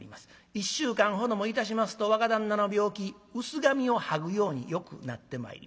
１週間ほどもいたしますと若旦那の病気薄紙を剥ぐようによくなってまいります。